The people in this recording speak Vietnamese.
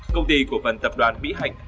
công ty của phần tập đoàn mỹ hạnh